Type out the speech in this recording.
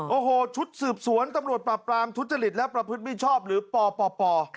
อ๋อโอโหชุดสืบสวนตำลวดปราบปรามชุดจริตและประพฤษมีชอบหรือปอปอปอ